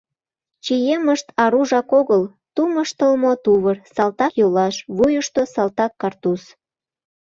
Чиемышт аружак огыл: тумыштылмо тувыр, салтак йолаш, вуйышто салтак картуз.